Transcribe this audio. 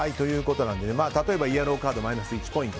例えばイエローカードマイナス１ポイント